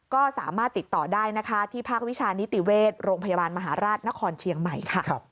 ก็สามารถติดต่อได้นะคะที่ภาควิชานิติเวชโรงพยาบาลมหาราชนครเชียงใหม่ค่ะ